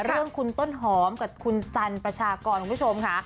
เรื่องคุณต้นหอมกับคุณสันประชากรคุณผู้ชมค่ะ